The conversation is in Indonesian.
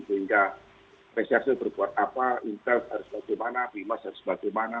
sehingga reserse berbuat apa intel harus bagaimana bimass harus bagaimana